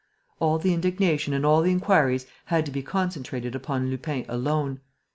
All the indignation and all the inquiries had to be concentrated upon Lupin alone.